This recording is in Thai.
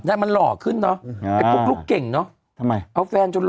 แล้วมันหล่อขึ้นเนาะ